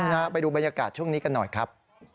นะฮะไปดูบรรยากาศช่วงนี้กันหน่อยครับ